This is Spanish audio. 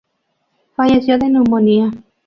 Falleció de neumonía.